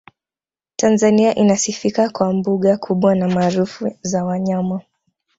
tanzania inasifika kwa mbuga kubwa na maarufu za wanyama